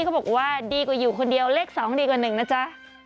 เขาบอกว่าดีกว่าอยู่คนเดียวเลข๒ดีกว่า๑นะจ๊ะ